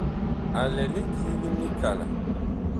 A lɛ lidi li mikala.